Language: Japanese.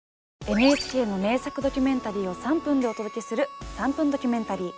ＮＨＫの名作ドキュメンタリーを３分でお届けする「３分ドキュメンタリー」。